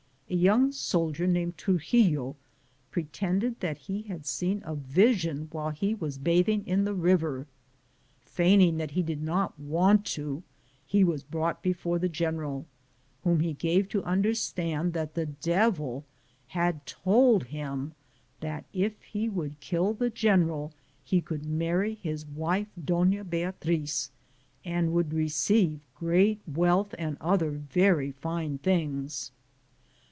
A young soldier named Trugillo (Truxillo) pretended that he had seen a vision while he was bath ing in the river. Feigning that he did not want to, he was brought before the general, whom he gave to understand that the devil had told him that if he would kill the gen eral, he could marry his wife, Dona Beatris, and would receive great wealth and other very fine things.